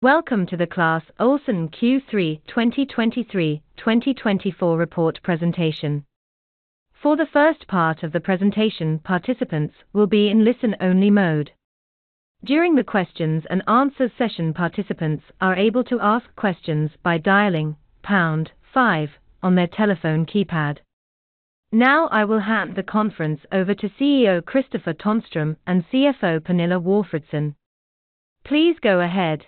Welcome to the Clas Ohlson Q3 2023-2024 report presentation. For the first part of the presentation, participants will be in listen-only mode. During the questions-and-answers session, participants are able to ask questions by dialing pound five on their telephone keypad. Now I will hand the conference over to CEO Kristofer Tonström and CFO Pernilla Walfridsson. Please go ahead.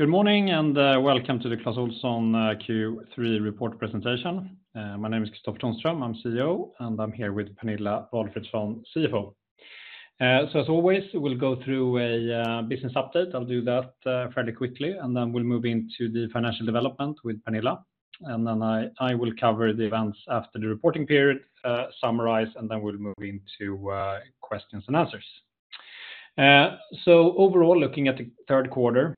Good morning and welcome to the Clas Ohlson Q3 report presentation. My name is Kristofer Tonström, I'm CEO, and I'm here with Pernilla Walfridsson, CFO. So as always, we'll go through a business update. I'll do that fairly quickly, and then we'll move into the financial development with Pernilla, and then I will cover the events after the reporting period, summarize, and then we'll move into questions and answers. So overall, looking at the third quarter,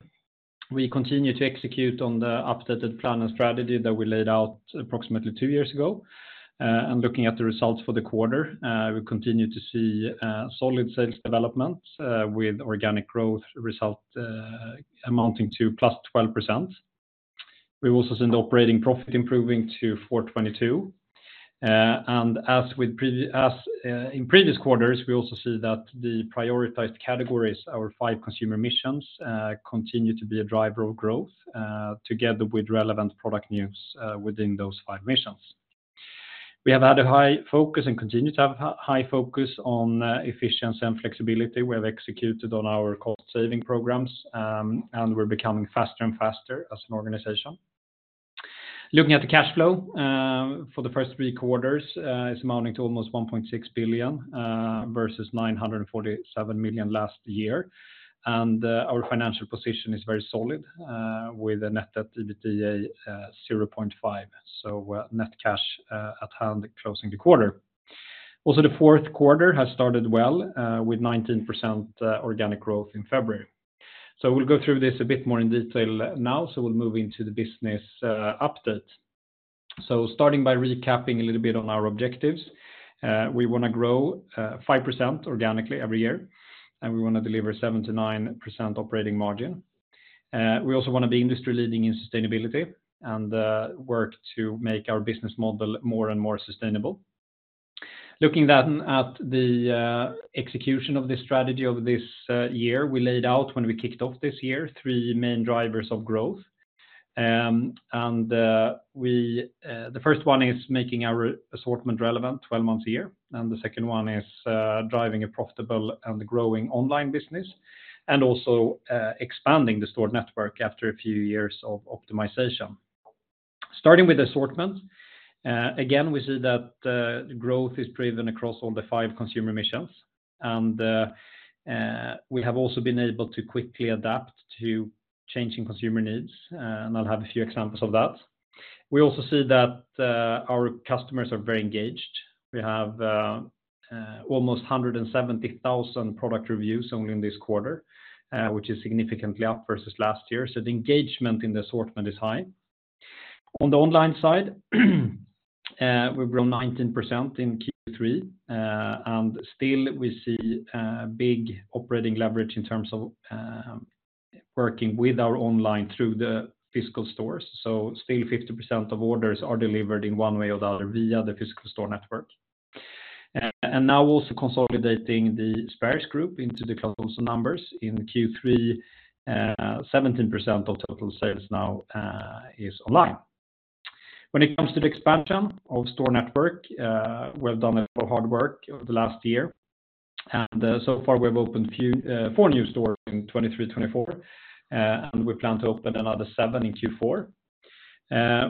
we continue to execute on the updated plan and strategy that we laid out approximately two years ago. And looking at the results for the quarter, we continue to see solid sales development with organic growth result amounting to +12%. We've also seen the operating profit improving to 422 million. As in previous quarters, we also see that the prioritized categories, our five consumer missions, continue to be a driver of growth together with relevant product news within those five missions. We have had a high focus and continue to have high focus on efficiency and flexibility. We have executed on our cost-saving programs, and we're becoming faster and faster as an organization. Looking at the cash flow for the first three quarters, it's amounting to almost 1.6 billion versus 947 million last year. Our financial position is very solid with a net debt to EBITDA 0.5, so net cash at hand closing the quarter. Also, the fourth quarter has started well with 19% organic growth in February. We'll go through this a bit more in detail now, so we'll move into the business update. Starting by recapping a little bit on our objectives, we want to grow 5% organically every year, and we want to deliver 79% operating margin. We also want to be industry-leading in sustainability and work to make our business model more and more sustainable. Looking at the execution of this strategy over this year, we laid out, when we kicked off this year, three main drivers of growth. The first one is making our assortment relevant 12 months a year, and the second one is driving a profitable and growing online business and also expanding the store network after a few years of optimization. Starting with assortment, again, we see that growth is driven across all the five consumer missions. We have also been able to quickly adapt to changing consumer needs, and I'll have a few examples of that. We also see that our customers are very engaged. We have almost 170,000 product reviews only in this quarter, which is significantly up versus last year. So the engagement in the assortment is high. On the online side, we've grown 19% in Q3, and still we see big operating leverage in terms of working with our online through the physical stores. So still 50% of orders are delivered in one way or the other via the physical store network. And now also consolidating the Spares Group into the Clas numbers in Q3, 17% of total sales now is online. When it comes to the expansion of store network, we have done a lot of hard work over the last year. And so far, we have opened 4 new stores in 2023-2024, and we plan to open another seven in Q4.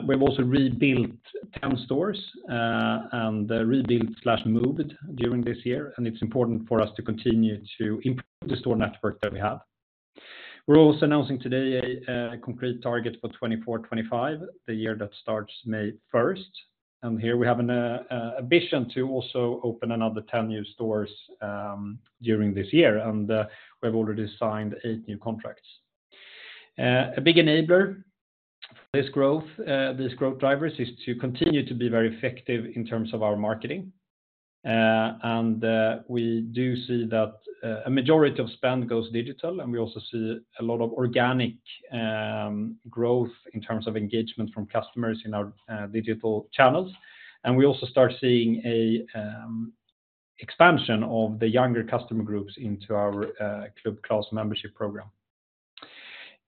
We have also rebuilt 10 stores and rebuilt/moved during this year, and it's important for us to continue to improve the store network that we have. We're also announcing today a concrete target for 2024-2025, the year that starts May 1st. Here we have an ambition to also open another 10 new stores during this year, and we have already signed eight new contracts. A big enabler for this growth, these growth drivers, is to continue to be very effective in terms of our marketing. We do see that a majority of spend goes digital, and we also see a lot of organic growth in terms of engagement from customers in our digital channels. We also start seeing an expansion of the younger customer groups into our Club Clas membership program.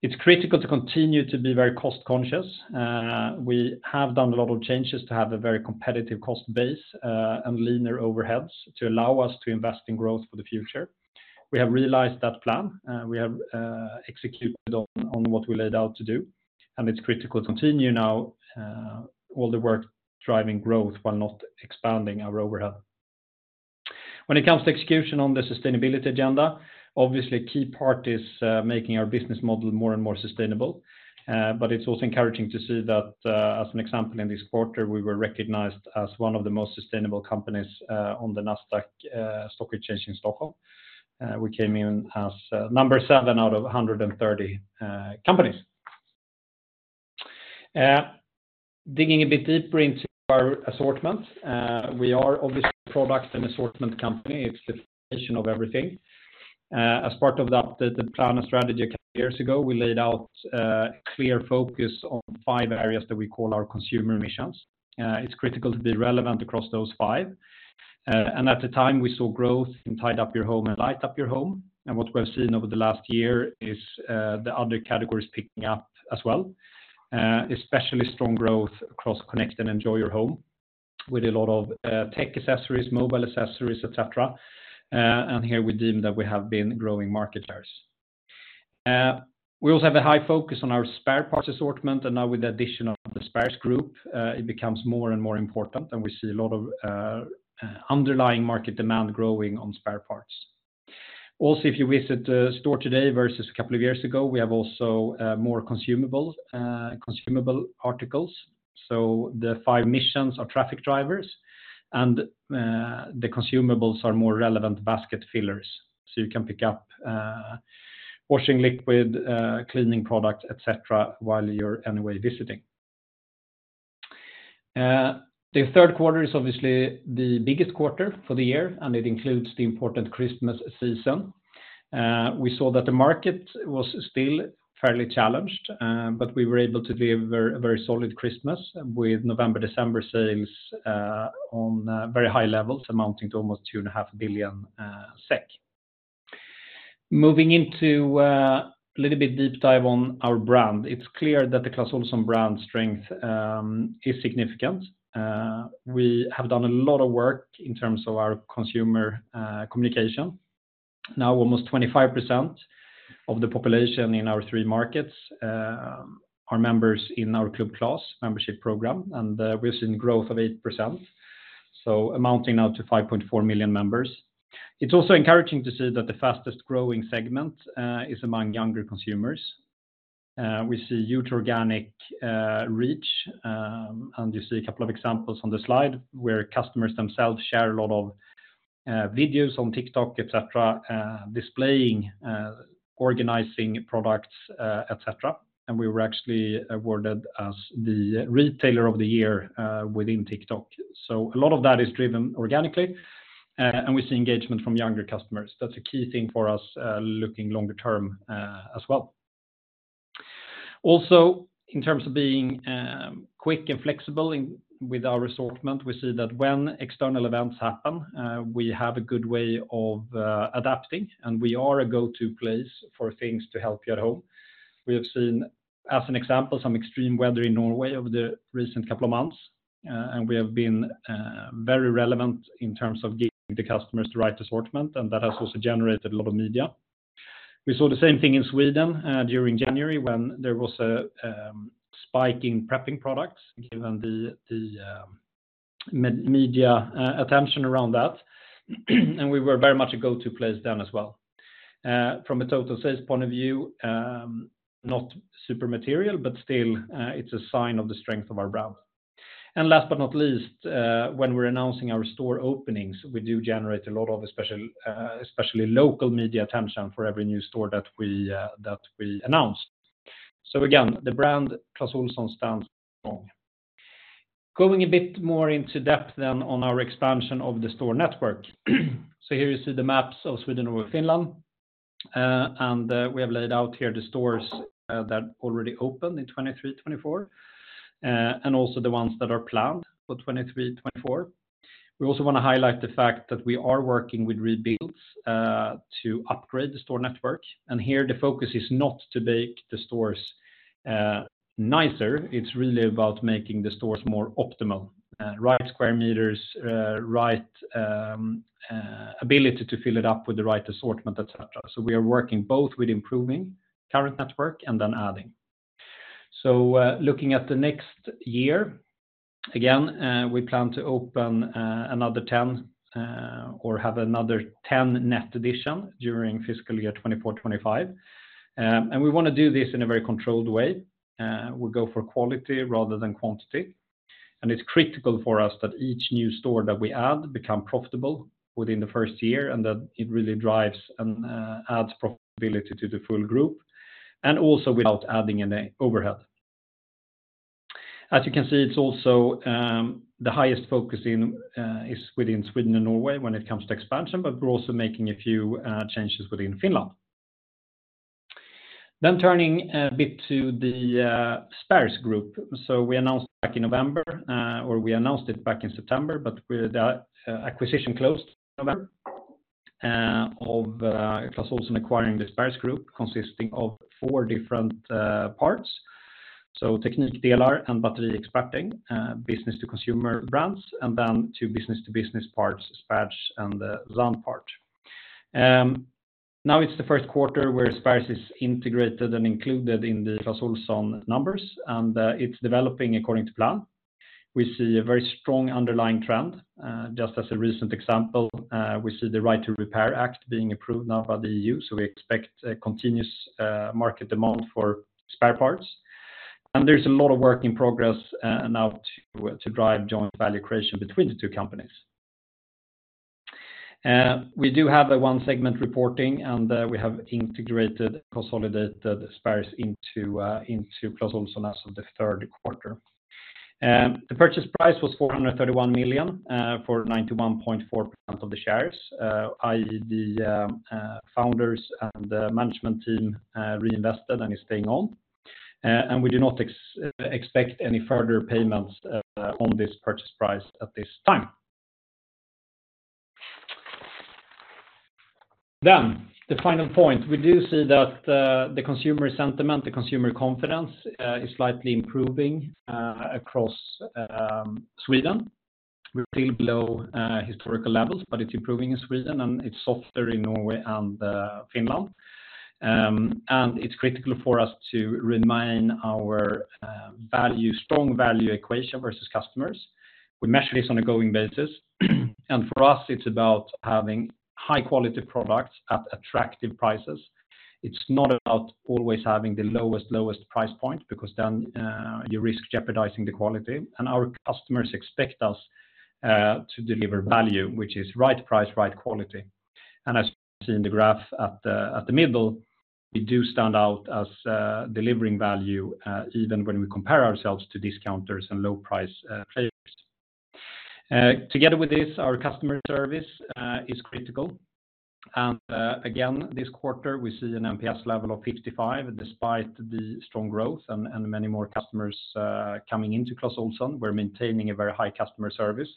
It's critical to continue to be very cost-conscious. We have done a lot of changes to have a very competitive cost base and leaner overheads to allow us to invest in growth for the future. We have realized that plan. We have executed on what we laid out to do, and it's critical to continue now all the work driving growth while not expanding our overhead. When it comes to execution on the sustainability agenda, obviously, a key part is making our business model more and more sustainable. But it's also encouraging to see that, as an example, in this quarter, we were recognized as one of the most sustainable companies on the Nasdaq Stock Exchange in Stockholm. We came in as number seven out of 130 companies. Digging a bit deeper into our assortment, we are obviously a product and assortment company. It's the fusion of everything. As part of the updated plan and strategy a couple of years ago, we laid out a clear focus on five areas that we call our consumer missions. It's critical to be relevant across those five. At the time, we saw growth in, Tidy Up Your Home and Light Up Your Home. What we have seen over the last year is the other categories picking up as well, especially strong growth across, Connect and Enjoy Your Home, with a lot of tech accessories, mobile accessories, etc. Here we deem that we have been growing market shares. We also have a high focus on our spare parts assortment, and now with the addition of the Spares Group, it becomes more and more important, and we see a lot of underlying market demand growing on spare parts. Also, if you visit the store today versus a couple of years ago, we have also more consumable articles. So the five missions are traffic drivers, and the consumables are more relevant basket fillers. So you can pick up washing liquid, cleaning products, etc., while you're anyway visiting. The third quarter is obviously the biggest quarter for the year, and it includes the important Christmas season. We saw that the market was still fairly challenged, but we were able to deliver a very solid Christmas with November-December sales on very high levels amounting to almost 2.5 billion SEK. Moving into a little bit deep dive on our brand, it's clear that the Clas Ohlson brand strength is significant. We have done a lot of work in terms of our consumer communication. Now, almost 25% of the population in our three markets are members in our Club Clas membership program, and we have seen growth of 8%, so amounting now to 5.4 million members. It's also encouraging to see that the fastest growing segment is among younger consumers. We see huge organic reach, and you see a couple of examples on the slide where customers themselves share a lot of videos on TikTok, etc., displaying, organizing products, etc. And we were actually awarded as the retailer of the year within TikTok. So a lot of that is driven organically, and we see engagement from younger customers. That's a key thing for us looking longer term as well. Also, in terms of being quick and flexible with our assortment, we see that when external events happen, we have a good way of adapting, and we are a go-to place for things to help you at home. We have seen, as an example, some extreme weather in Norway over the recent couple of months, and we have been very relevant in terms of giving the customers the right assortment, and that has also generated a lot of media. We saw the same thing in Sweden during January when there was a spike in prepping products, given the media attention around that. And we were very much a go-to place then as well. From a total sales point of view, not super material, but still, it's a sign of the strength of our brand. Last but not least, when we're announcing our store openings, we do generate a lot of, especially local media attention for every new store that we announce. So again, the brand Clas Ohlson stands strong. Going a bit more into depth then on our expansion of the store network. So here you see the maps of Sweden over Finland. And we have laid out here the stores that already opened in 2023-2024 and also the ones that are planned for 2023-2024. We also want to highlight the fact that we are working with rebuilds to upgrade the store network. And here the focus is not to make the stores nicer. It's really about making the stores more optimal, right square meters, right ability to fill it up with the right assortment, etc. So we are working both with improving current network and then adding. So looking at the next year, again, we plan to open another 10 or have another 10 net addition during fiscal year 2024-2025. And we want to do this in a very controlled way. We go for quality rather than quantity. And it's critical for us that each new store that we add become profitable within the first year and that it really drives and adds profitability to the full group and also without adding any overhead. As you can see, it's also the highest focus is within Sweden and Norway when it comes to expansion, but we're also making a few changes within Finland. Then turning a bit to the Spares Group. So we announced back in November, or we announced it back in September, but the acquisition closed in November of Clas Ohlson acquiring the Spares Group consisting of four different parts. So Teknikdelar and Batteriexperten, business-to-consumer brands, and then two business-to-business parts, Spares and ZandParts. Now it's the first quarter where Spares is integrated and included in the Clas Ohlson numbers, and it's developing according to plan. We see a very strong underlying trend. Just as a recent example, we see the Right to Repair Act being approved now by the EU. So we expect continuous market demand for spare parts. And there's a lot of work in progress now to drive joint value creation between the two companies. We do have one segment reporting, and we have integrated, consolidated Spares into Clas Ohlson as of the third quarter. The purchase price was 431 million for 91.4% of the shares, i.e., the founders and management team reinvested and is staying on. And we do not expect any further payments on this purchase price at this time. Then the final point, we do see that the consumer sentiment, the consumer confidence is slightly improving across Sweden. We're still below historical levels, but it's improving in Sweden, and it's softer in Norway and Finland. It's critical for us to remain our strong value equation versus customers. We measure this on a going basis. For us, it's about having high-quality products at attractive prices. It's not about always having the lowest, lowest price point because then you risk jeopardizing the quality. Our customers expect us to deliver value, which is right price, right quality. As you can see in the graph at the middle, we do stand out as delivering value even when we compare ourselves to discounters and low-price players. Together with this, our customer service is critical. And again, this quarter, we see an NPS level of 55 despite the strong growth and many more customers coming into Clas Ohlson. We're maintaining a very high customer service.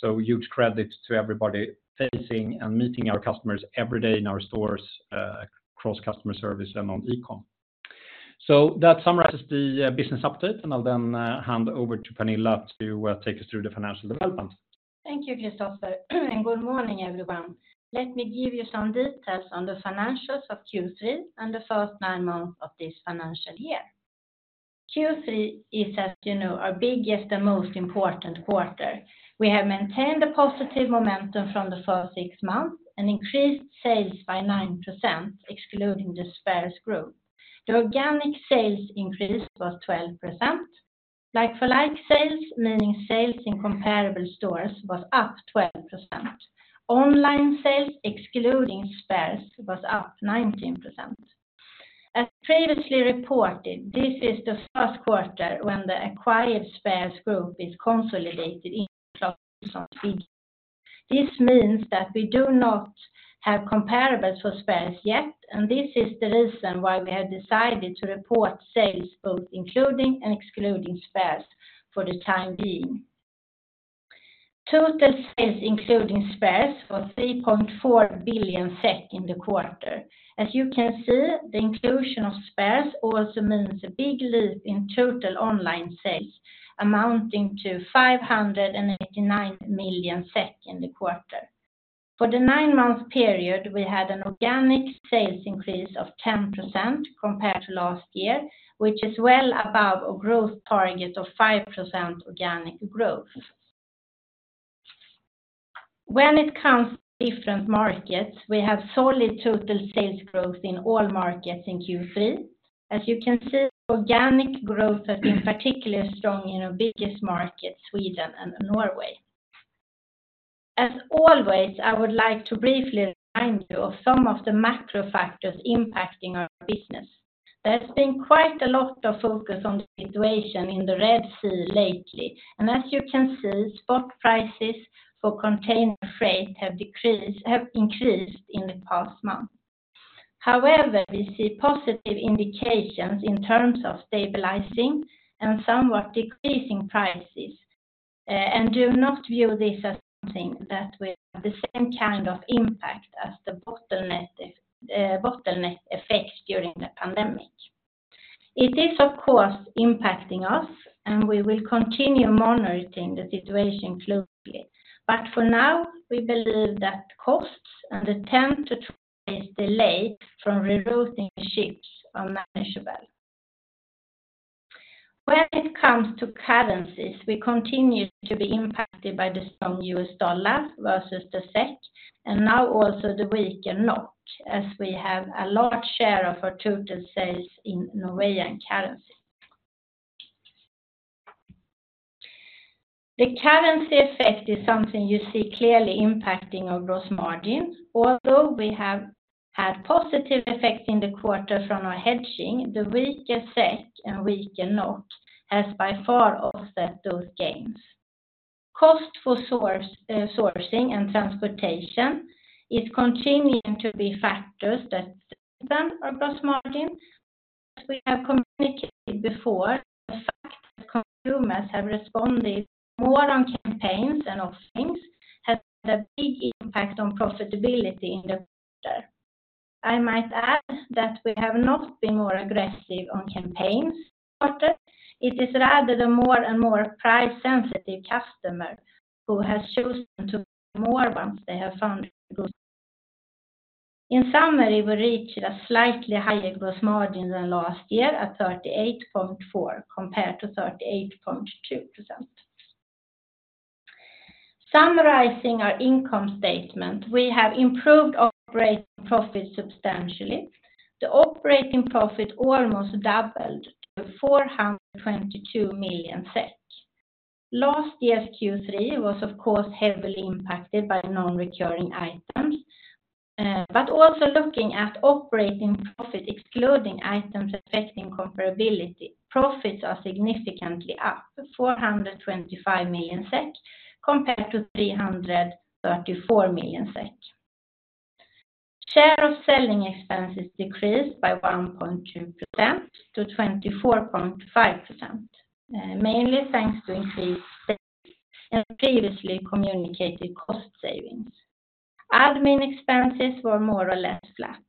So huge credit to everybody facing and meeting our customers every day in our stores across customer service and on e-com. So that summarizes the business update, and I'll then hand over to Pernilla to take us through the financial development. Thank you, Kristofer. Good morning, everyone. Let me give you some details on the financials of Q3 and the first nine months of this financial year. Q3 is, as you know, our biggest and most important quarter. We have maintained a positive momentum from the first six months and increased sales by 9% excluding the Spares Group. The organic sales increase was 12%. Like-for-like sales, meaning sales in comparable stores, was up 12%. Online sales, excluding Spares, was up 19%. As previously reported, this is the first quarter when the acquired Spares Group is consolidated into Clas Ohlson's figure. This means that we do not have comparables for Spares yet, and this is the reason why we have decided to report sales both including and excluding Spares for the time being. Total sales including Spares was 3.4 billion SEK in the quarter. As you can see, the inclusion of Spares also means a big leap in total online sales amounting to 589 million SEK in the quarter. For the nine-month period, we had an organic sales increase of 10% compared to last year, which is well above a growth target of 5% organic growth. When it comes to different markets, we have solid total sales growth in all markets in Q3. As you can see, organic growth has been particularly strong in our biggest markets, Sweden and Norway. As always, I would like to briefly remind you of some of the macro factors impacting our business. There's been quite a lot of focus on the situation in the Red Sea lately, and as you can see, spot prices for container freight have increased in the past month. However, we see positive indications in terms of stabilizing and somewhat decreasing prices and do not view this as something that will have the same kind of impact as the bottleneck effect during the pandemic. It is, of course, impacting us, and we will continue monitoring the situation closely. But for now, we believe that costs and the attendant delay from rerouting ships are manageable. When it comes to currencies, we continue to be impacted by the strong U.S. dollar versus the Swedish krona and now also the weaker Norwegian krone as we have a large share of our total sales in Norwegian currency. The currency effect is something you see clearly impacting our gross margin. Although we have had positive effects in the quarter from our hedging, the weaker Swedish krona and weaker Norwegian krone has by far offset those gains. Cost for sourcing and transportation is continuing to be factors than our gross margin. As we have communicated before, the fact that consumers have responded more on campaigns and offerings has had a big impact on profitability in the quarter. I might add that we have not been more aggressive on campaigns in the quarter. It is rather the more and more price-sensitive customer who has chosen to buy more once they have found a good. In summary, we reached a slightly higher gross margin than last year at 38.4% compared to 38.2%. Summarizing our income statement, we have improved operating profit substantially. The operating profit almost doubled to 422 million SEK. Last year's Q3 was, of course, heavily impacted by non-recurring items. But also looking at operating profit excluding items affecting comparability, profits are significantly up, 425 million SEK compared to 334 million SEK. Share of selling expenses decreased by 1.2% to 24.5%, mainly thanks to increased sales and previously communicated cost savings. Admin expenses were more or less flat.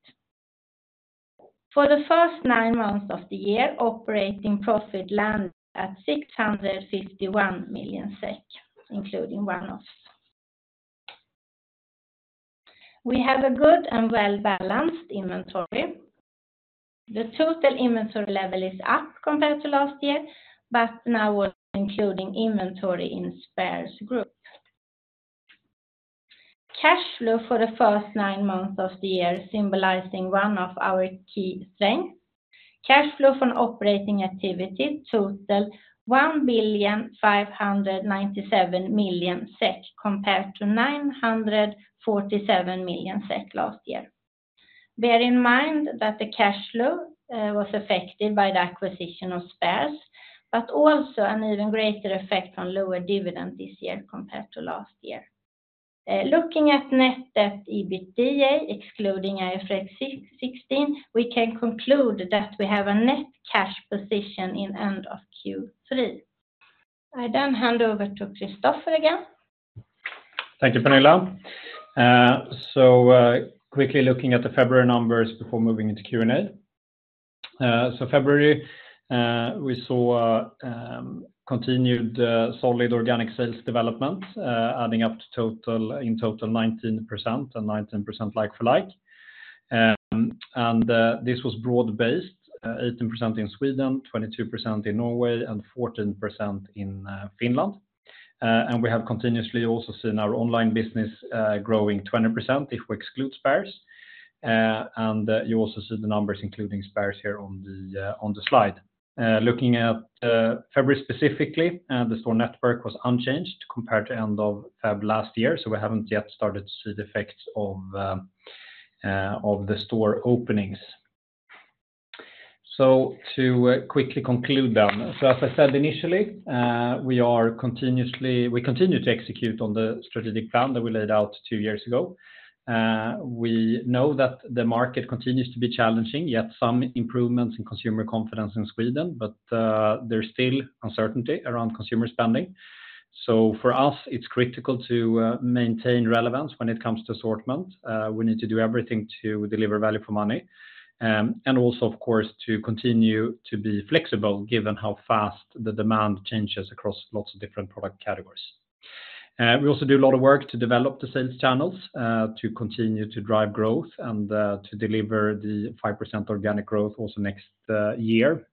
For the first nine months of the year, operating profit landed at 651 million SEK including one-offs. We have a good and well-balanced inventory. The total inventory level is up compared to last year, but now. Including inventory in Spares group. Cash flow for the first nine months of the year symbolizing one of our key strengths. Cash flow from operating activities totaled 1,597 million SEK compared to 947 million SEK last year. Bear in mind that the cash flow was affected by the acquisition of Spares, but also an even greater effect on lower dividend this year compared to last year. Looking at net debt to EBITDA excluding IFRS 16, we can conclude that we have a net cash position at end of Q3. I then hand over to Kristofer again. Thank you, Pernilla. So quickly looking at the February numbers before moving into Q&A. So February, we saw continued solid organic sales development adding up to total in total 19% and 19% like-for-like. And this was broad-based, 18% in Sweden, 22% in Norway, and 14% in Finland. We have continuously also seen our online business growing 20% if we exclude Spares. And you also see the numbers including Spares here on the slide. Looking at February specifically, the store network was unchanged compared to end of February last year. So we haven't yet started to see the effects of the store openings. So to quickly conclude then, so as I said initially, we continue to execute on the strategic plan that we laid out two years ago. We know that the market continues to be challenging, yet some improvements in consumer confidence in Sweden, but there's still uncertainty around consumer spending. So for us, it's critical to maintain relevance when it comes to assortment. We need to do everything to deliver value for money. And also, of course, to continue to be flexible given how fast the demand changes across lots of different product categories. We also do a lot of work to develop the sales channels to continue to drive growth and to deliver the 5% organic growth also next year.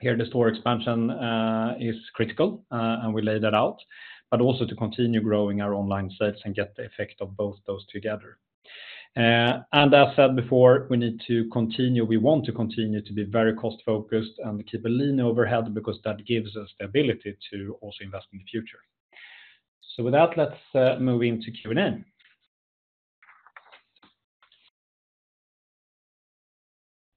Here, the store expansion is critical, and we laid that out. Also to continue growing our online sales and get the effect of both those together. As said before, we need to continue we want to continue to be very cost-focused and keep a lean overhead because that gives us the ability to also invest in the future. With that, let's move into Q&A.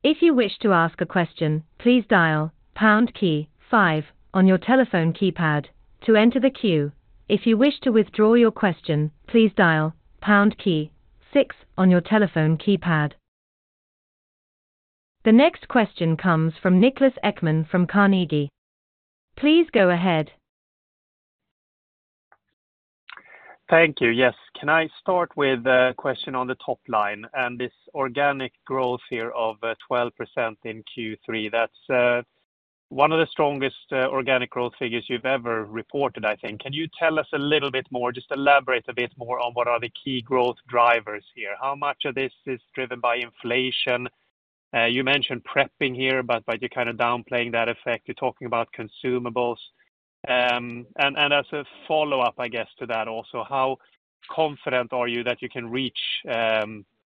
If you wish to ask a question, please dial pound key five on your telephone keypad to enter the queue. If you wish to withdraw your question, please dial pound key six on your telephone keypad. The next question comes from Niklas Ekman from Carnegie. Please go ahead. Thank you. Yes. Can I start with a question on the top line and this organic growth here of 12% in Q3? That's one of the strongest organic growth figures you've ever reported, I think. Can you tell us a little bit more, just elaborate a bit more on what are the key growth drivers here? How much of this is driven by inflation? You mentioned prepping here, but you're kind of downplaying that effect. You're talking about consumables. And as a follow-up, I guess, to that also, how confident are you that you can reach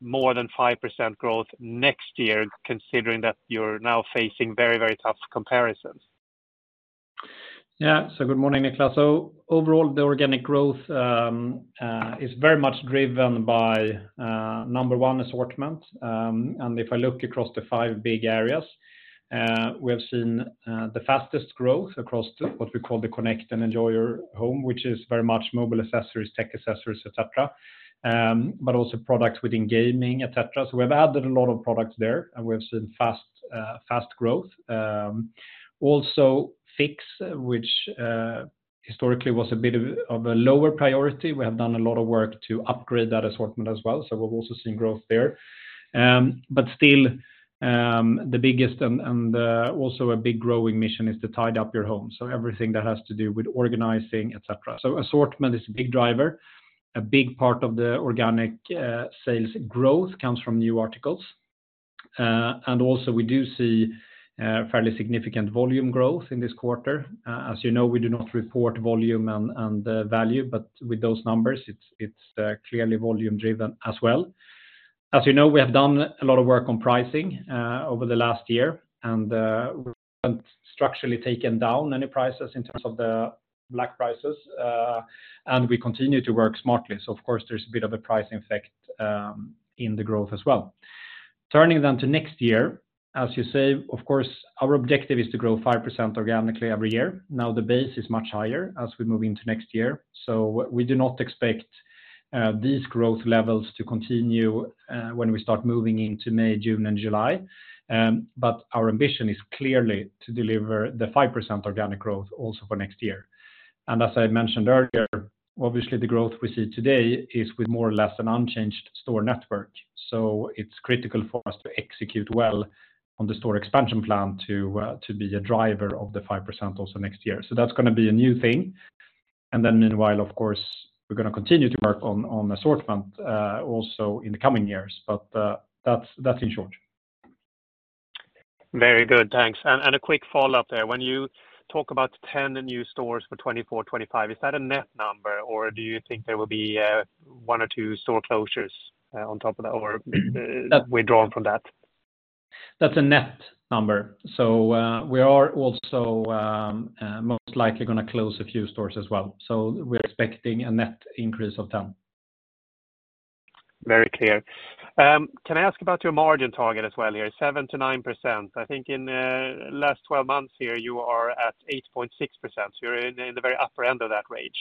more than 5% growth next year considering that you're now facing very, very tough comparisons? Yeah. So good morning, Niklas. So overall, the organic growth is very much driven by, number one, assortment. If I look across the five big areas, we have seen the fastest growth across what we call the Connect and Enjoy Your Home, which is very much mobile accessories, tech accessories, etc. But also products within gaming, etc. So we have added a lot of products there, and we have seen fast growth. Also, Fix Your Home, which historically was a bit of a lower priority. We have done a lot of work to upgrade that assortment as well. So we've also seen growth there. But still, the biggest and also a big growing mission is Tidy Up Your Home. So everything that has to do with organizing, etc. So assortment is a big driver. A big part of the organic sales growth comes from new articles. And also, we do see fairly significant volume growth in this quarter. As you know, we do not report volume and value, but with those numbers, it's clearly volume-driven as well. As you know, we have done a lot of work on pricing over the last year, and we haven't structurally taken down any prices in terms of the black prices. We continue to work smartly. Of course, there's a bit of a price effect in the growth as well. Turning then to next year, as you say, of course, our objective is to grow 5% organically every year. Now, the base is much higher as we move into next year. So we do not expect these growth levels to continue when we start moving into May, June, and July. Our ambition is clearly to deliver the 5% organic growth also for next year. As I mentioned earlier, obviously, the growth we see today is with more or less an unchanged store network. It's critical for us to execute well on the store expansion plan to be a driver of the 5% also next year. That's going to be a new thing. Meanwhile, of course, we're going to continue to work on assortment also in the coming years. That's in short. Very good. Thanks. A quick follow-up there. When you talk about 10 new stores for 2024/2025, is that a net number, or do you think there will be one or two store closures on top of that, or withdrawn from that? That's a net number. We are also most likely going to close a few stores as well. We're expecting a net increase of 10. Very clear. Can I ask about your margin target as well here? 7%-9%. I think in the last 12 months here, you are at 8.6%. So you're in the very upper end of that range.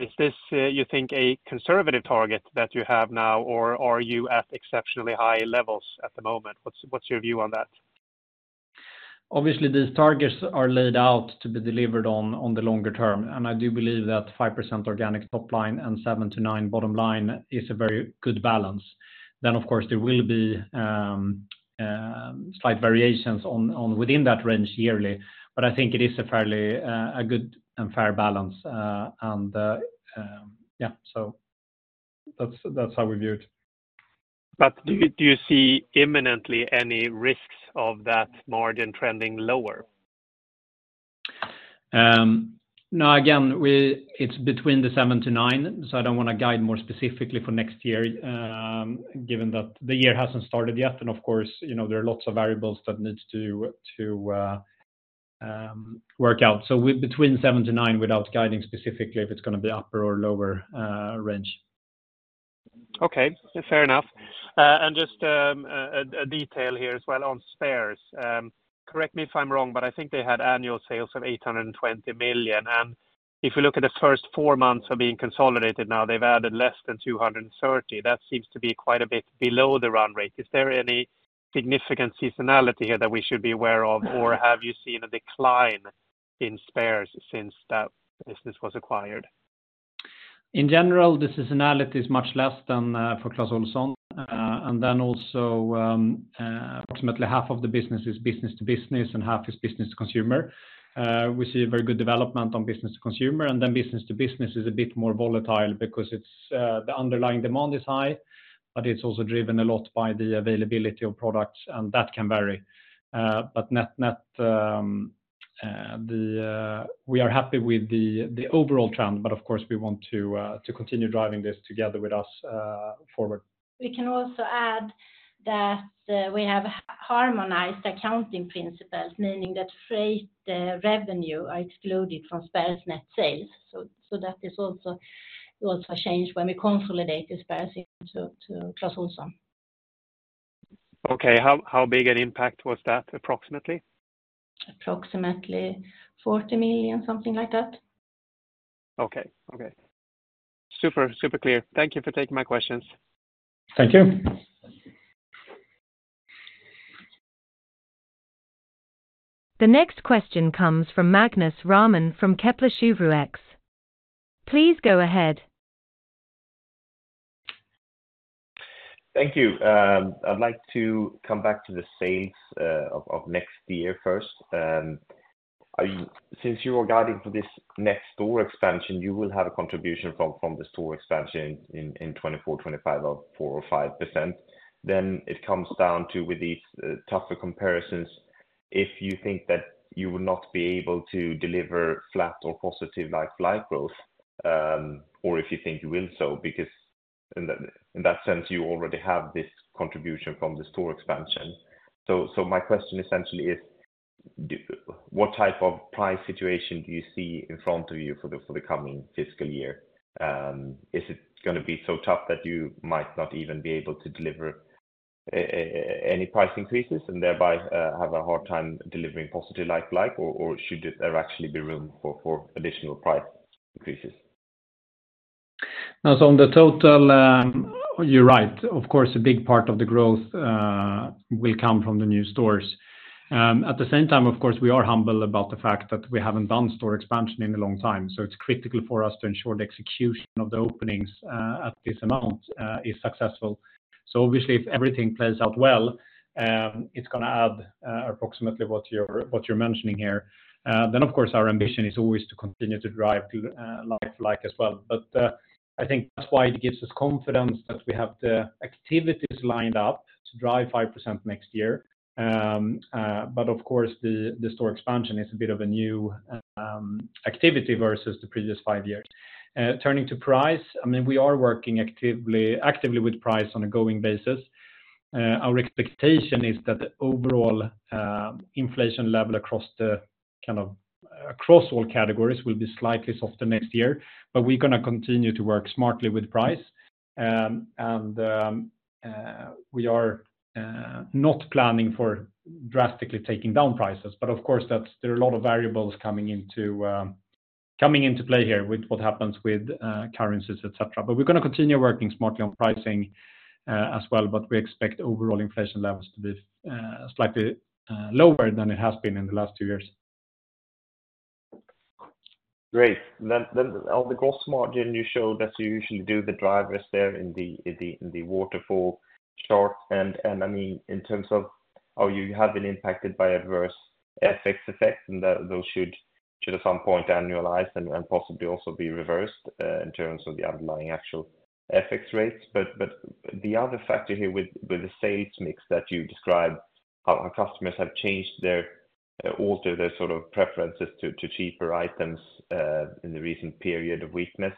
Is this, you think, a conservative target that you have now, or are you at exceptionally high levels at the moment? What's your view on that? Obviously, these targets are laid out to be delivered on the longer term. I do believe that 5% organic top line and 7%-9% bottom line is a very good balance. Then, of course, there will be slight variations within that range yearly. But I think it is a fairly good and fair balance. Yeah, so that's how we view it. But do you see imminently any risks of that margin trending lower? Now, again, it's between the 7%-9%. So I don't want to guide more specifically for next year given that the year hasn't started yet. And of course, there are lots of variables that need to work out. So between 7%-9% without guiding specifically if it's going to be upper or lower range. Okay. Fair enough. And just a detail here as well on Spares. Correct me if I'm wrong, but I think they had annual sales of 820 million. And if we look at the first four months of being consolidated now, they've added less than 230 million. That seems to be quite a bit below the run rate. Is there any significant seasonality here that we should be aware of, or have you seen a decline in Spares since that business was acquired? In general, the seasonality is much less than for Clas Ohlson. And then also, approximately 1/2 of the business is business to business, and 1/2 is business to consumer. We see a very good development on business to consumer. And then business to business is a bit more volatile because the underlying demand is high, but it's also driven a lot by the availability of products, and that can vary. But we are happy with the overall trend. But of course, we want to continue driving this together with us forward. We can also add that we have harmonized accounting principles, meaning that freight revenue is excluded from Spares net sales. So that is also a change when we consolidate the Spares into Clas Ohlson. Okay. How big an impact was that approximately? Approximately 40 million, something like that. Okay. Okay. Super, super clear. Thank you for taking my questions. Thank you. The next question comes from Magnus Råman from Kepler Cheuvreux. Please go ahead. Thank you. I'd like to come back to the sales of next year first. Since you were guiding for this next store expansion, you will have a contribution from the store expansion in 2024/2025 of 4% or 5%. Then it comes down to, with these tougher comparisons, if you think that you will not be able to deliver flat or positive like-for-like growth, or if you think you will so, because in that sense, you already have this contribution from the store expansion. So my question essentially is, what type of price situation do you see in front of you for the coming fiscal year? Is it going to be so tough that you might not even be able to deliver any price increases and thereby have a hard time delivering positive like-for-like, or should there actually be room for additional price increases? Now, so on the total, you're right. Of course, a big part of the growth will come from the new stores. At the same time, of course, we are humble about the fact that we haven't done store expansion in a long time. So it's critical for us to ensure the execution of the openings at this amount is successful. So obviously, if everything plays out well, it's going to add approximately what you're mentioning here. Then, of course, our ambition is always to continue to drive like-like as well. But I think that's why it gives us confidence that we have the activities lined up to drive 5% next year. But of course, the store expansion is a bit of a new activity versus the previous five years. Turning to price, I mean, we are working actively with price on a going basis. Our expectation is that the overall inflation level across all categories will be slightly softer next year. But we're going to continue to work smartly with price. And we are not planning for drastically taking down prices. But of course, there are a lot of variables coming into play here with what happens with currencies, etc. But we're going to continue working smartly on pricing as well. But we expect overall inflation levels to be slightly lower than it has been in the last two years. Great. Then on the gross margin, you showed that you usually do the drivers there in the waterfall chart. And I mean, in terms of are you having impacted by adverse FX effects, and those should at some point annualize and possibly also be reversed in terms of the underlying actual FX rates? But the other factor here with the sales mix that you described, how customers have altered their sort of preferences to cheaper items in the recent period of weakness.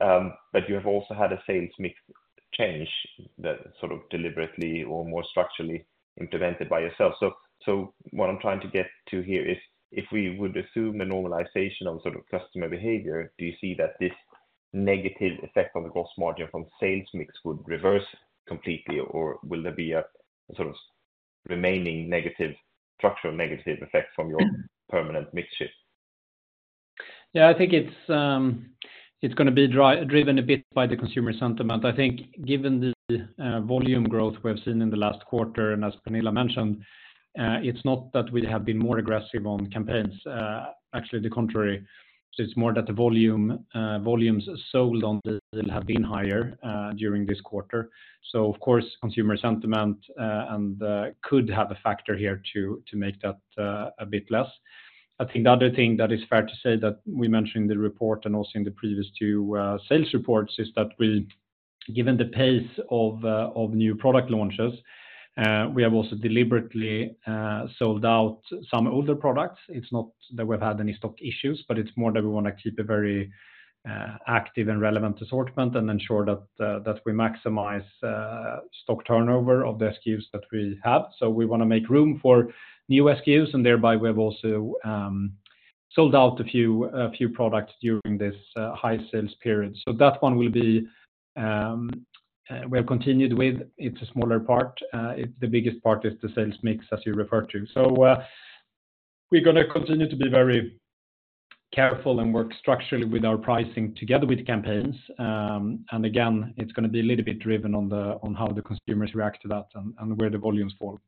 You have also had a sales mix change that's sort of deliberately or more structurally implemented by yourself. So what I'm trying to get to here is, if we would assume a normalization of sort of customer behavior, do you see that this negative effect on the gross margin from sales mix would reverse completely, or will there be a sort of remaining structural negative effect from your permanent mixture? Yeah. I think it's going to be driven a bit by the consumer sentiment. I think given the volume growth we have seen in the last quarter, and as Pernilla mentioned, it's not that we have been more aggressive on campaigns. Actually, the contrary. So it's more that the volumes sold on deals have been higher during this quarter. So of course, consumer sentiment could have a factor here to make that a bit less. I think the other thing that is fair to say that we mentioned in the report and also in the previous two sales reports is that given the pace of new product launches, we have also deliberately sold out some older products. It's not that we've had any stock issues, but it's more that we want to keep a very active and relevant assortment and ensure that we maximize stock turnover of the SKUs that we have. So we want to make room for new SKUs, and thereby we have also sold out a few products during this high-sales period. So that one will be we have continued with. It's a smaller part. The biggest part is the sales mix, as you referred to. So we're going to continue to be very careful and work structurally with our pricing together with campaigns. And again, it's going to be a little bit driven on how the consumers react to that and where the volumes fall.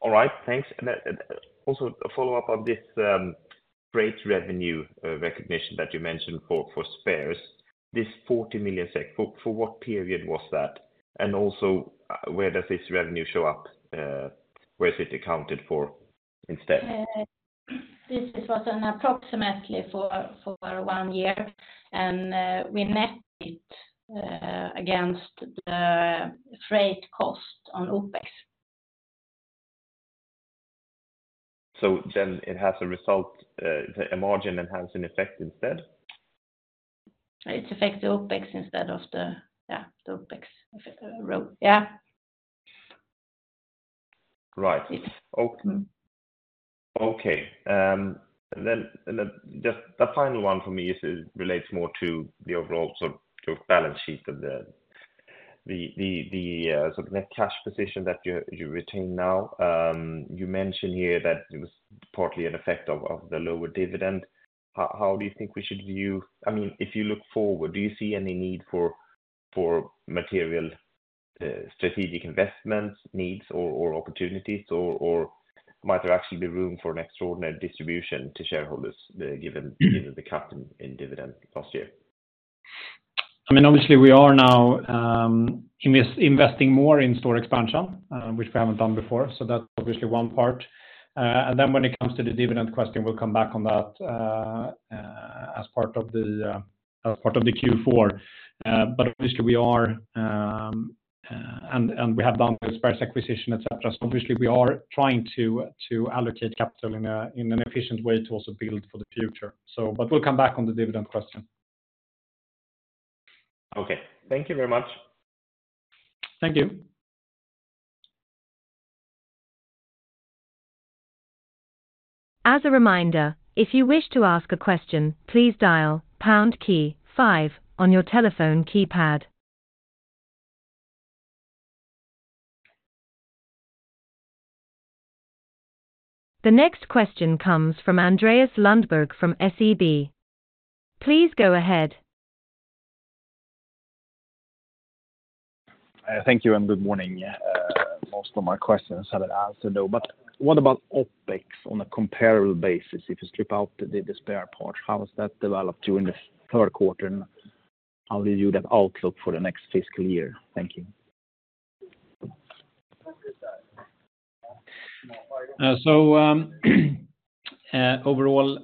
All right. Thanks. And also a follow-up on this freight revenue recognition that you mentioned for Spares. This 40 million SEK, for what period was that? And also, where does this revenue show up? Where is it accounted for instead? This was an approximately for one year. And we netted it against the freight cost on OpEx. So then it has a result a margin-enhancing effect instead? It affects the OpEx instead of the yeah, the OpEx row. Yeah. Right. Okay. And then just the final one for me relates more to the overall sort of balance sheet of the sort of net cash position that you retain now. You mentioned here that it was partly an effect of the lower dividend. How do you think we should view, I mean, if you look forward, do you see any need for material strategic investment needs or opportunities, or might there actually be room for an extraordinary distribution to shareholders given the cut in dividend last year? I mean, obviously, we are now investing more in store expansion, which we haven't done before. So that's obviously one part. And then when it comes to the dividend question, we'll come back on that as part of the Q4. But obviously, we are and we have done the Spares acquisition, etc. So obviously, we are trying to allocate capital in an efficient way to also build for the future. But we'll come back on the dividend question. Okay. Thank you very much. Thank you. As a reminder, if you wish to ask a question, please dial pound key five on your telephone keypad. The next question comes from Andreas Lundberg from SEB. Please go ahead. Thank you and good morning. Most of my questions have an answer, though. But what about OpEx on a comparable basis? If you slip out the spare part, how has that developed during the third quarter? And how do you view that outlook for the next fiscal year? Thank you. So overall,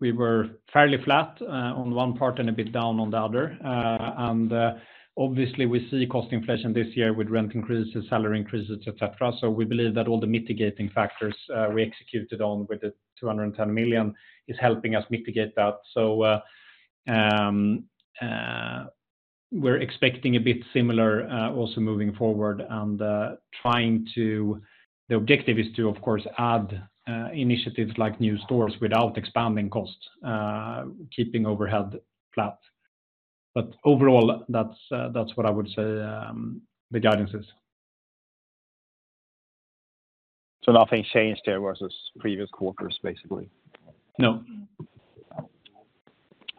we were fairly flat on one part and a bit down on the other. And obviously, we see cost inflation this year with rent increases, salary increases, etc. So we believe that all the mitigating factors we executed on with the 210 million is helping us mitigate that. So we're expecting a bit similar also moving forward and trying to the objective is to, of course, add initiatives like new stores without expanding costs, keeping overhead flat. But overall, that's what I would say the guidance is. So nothing changed there versus previous quarters, basically? No.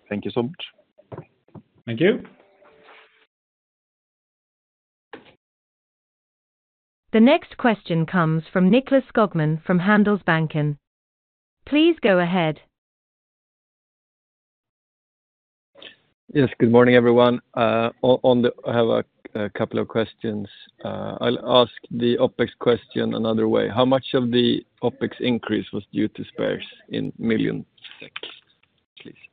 Thank you so much. Thank you. The next question comes from Nicklas Skogman from Handelsbanken. Please go ahead. Yes. Good morning, everyone. I have a couple of questions. I'll ask the OpEx question another way. How much of the OpEx increase was due to Spares in million Swedish krona, please?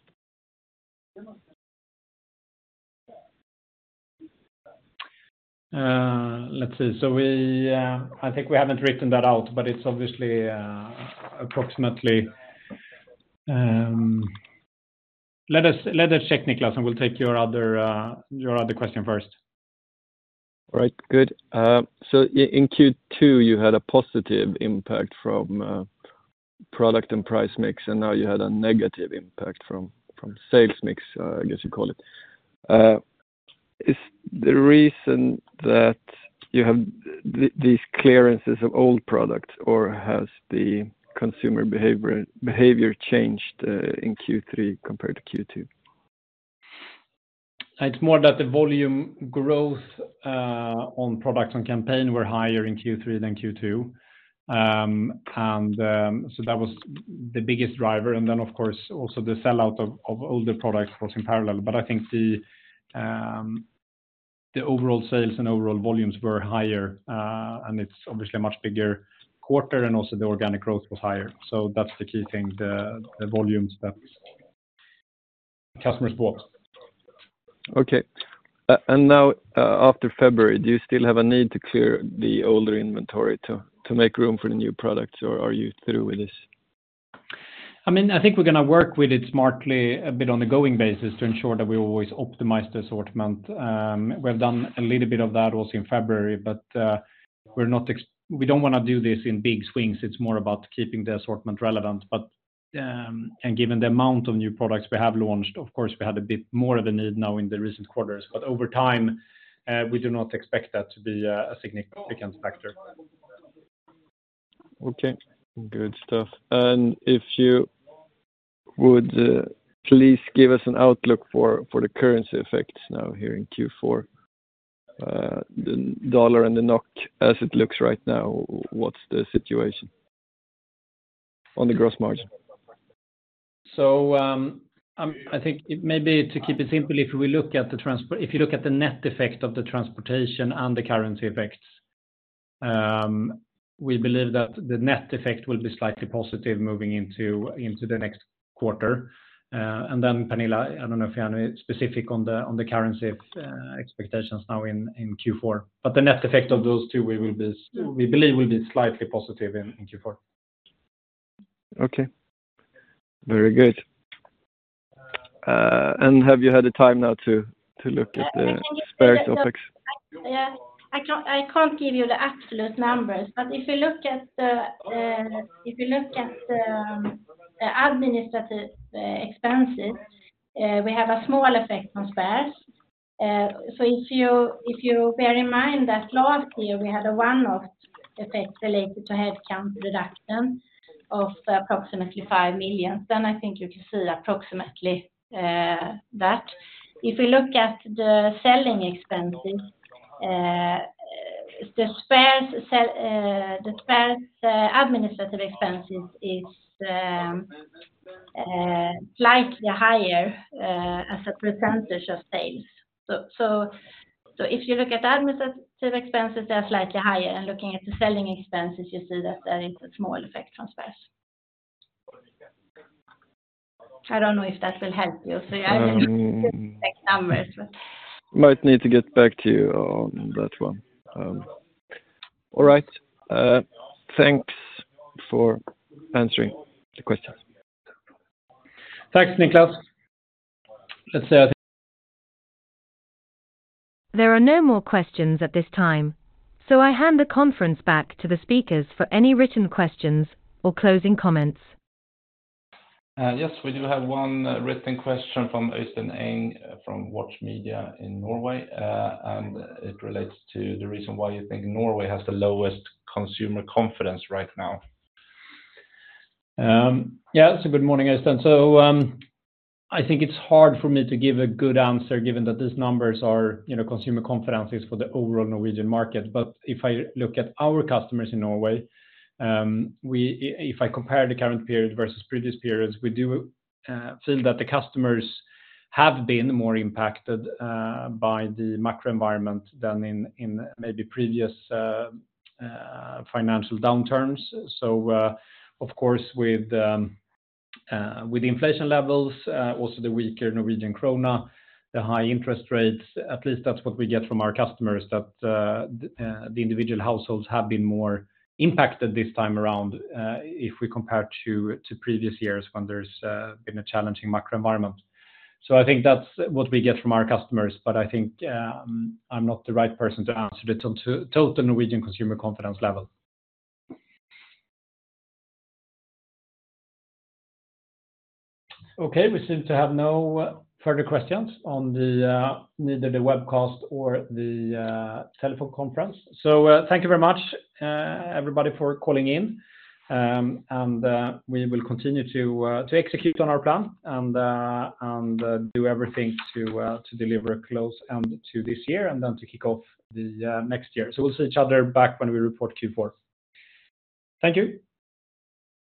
Let's see. So I think we haven't written that out, but it's obviously approximately let us check, Nicklas, and we'll take your other question first. All right. Good. So in Q2, you had a positive impact from product and price mix, and now you had a negative impact from sales mix, I guess you call it. Is the reason that you have these clearances of old products, or has the consumer behavior changed in Q3 compared to Q2? It's more that the volume growth on products on campaign were higher in Q3 than Q2. And so that was the biggest driver. And then, of course, also the sellout of older products was in parallel. But I think the overall sales and overall volumes were higher. And it's obviously a much bigger quarter, and also the organic growth was higher. So that's the key thing, the volumes that customers bought. Okay. And now after February, do you still have a need to clear the older inventory to make room for the new products, or are you through with this? I mean, I think we're going to work with it smartly a bit on a going basis to ensure that we always optimize the assortment. We have done a little bit of that also in February, but we don't want to do this in big swings. It's more about keeping the assortment relevant. And given the amount of new products we have launched, of course, we had a bit more of a need now in the recent quarters. But over time, we do not expect that to be a significant factor. Okay. Good stuff. And if you would please give us an outlook for the currency effects now here in Q4, the dollar and the Norwegian krone, as it looks right now, what's the situation on the gross margin? So I think maybe to keep it simple, if you look at the net effect of the transportation and the currency effects, we believe that the net effect will be slightly positive moving into the next quarter. And then, Pernilla, I don't know if you have any specific on the currency expectations now in Q4. But the net effect of those two, we believe, will be slightly positive in Q4. Okay. Very good. And have you had the time now to look at the Spares OpEx? Yeah. I can't give you the absolute numbers. But if you look at administrative expenses, we have a small effect on Spares. So if you bear in mind that last year, we have a one-off effect related to headcount reduction of approximately 5 million, then I think you can see approximately that. If you look at the selling expenses, the Spares administrative expenses is slightly higher as a percentage of sales. If you look at administrative expenses, they are slightly higher. Looking at the selling expenses, you see that there is a small effect from Spares. I don't know if that will help you. I will get back numbers, but. Might need to get back to you on that one. All right. Thanks for answering the questions. Thanks, Niklas. Let's see. There are no more questions at this time, so I hand the conference back to the speakers for any written questions or closing comments. Yes. We do have one written question from Øystein Engh from Watch Media in Norway. It relates to the reason why you think Norway has the lowest consumer confidence right now. Yeah. Good morning, Øystein. So, I think it's hard for me to give a good answer given that these numbers are consumer confidence is for the overall Norwegian market. But if I look at our customers in Norway, if I compare the current period versus previous periods, we do feel that the customers have been more impacted by the macro environment than in maybe previous financial downturns. So, of course, with the inflation levels, also the weaker Norwegian krone, the high interest rates, at least that's what we get from our customers, that the individual households have been more impacted this time around if we compare to previous years when there's been a challenging macro environment. So, I think that's what we get from our customers. But I think I'm not the right person to answer it on total Norwegian consumer confidence level. Okay. We seem to have no further questions on neither the webcast or the telephone conference. So thank you very much, everybody, for calling in. And we will continue to execute on our plan and do everything to deliver a close end to this year and then to kick off the next year. So we'll see each other back when we report Q4. Thank you.